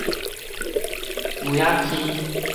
梅仔坑